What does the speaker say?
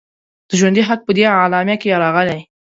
د ژوند حق په دې اعلامیه کې راغلی.